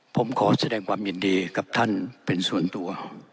ผมขอแสดงความยินดีกับท่านเป็นส่วนตัว